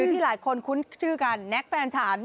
ที่หลายคนคุ้นชื่อกันแน็กแฟนฉัน